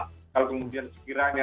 kalau kemudian sekiranya